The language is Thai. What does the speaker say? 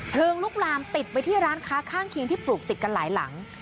ลุกลามติดไปที่ร้านค้าข้างเคียงที่ปลูกติดกันหลายหลัง